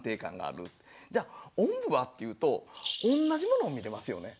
じゃあおんぶはっていうと同じものを見てますよね。